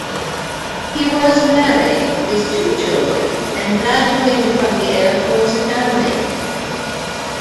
He was married with two children and graduated from the Air Force Academy.